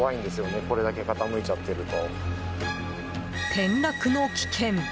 転落の危険。